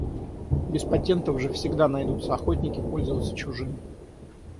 Без патентов же всегда найдутся охотники попользоваться чужим.